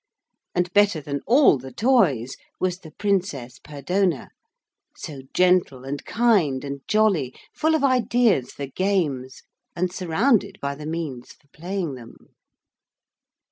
And better than all the toys was the Princess Perdona so gentle and kind and jolly, full of ideas for games, and surrounded by the means for playing them.